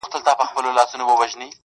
• چي هغه تللې ده نو ته ولي خپه يې روحه.